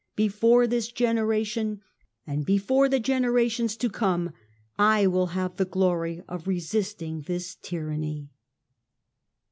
Before this generation and before the genera tions to come, I will have the glory of resisting this tyranny."